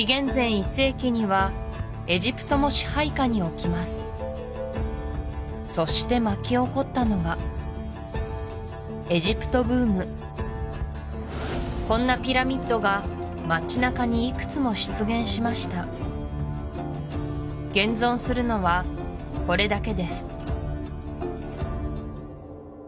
１世紀にはエジプトも支配下に置きますそして巻き起こったのがエジプトブームこんなピラミッドが街なかにいくつも出現しました現存するのはこれだけです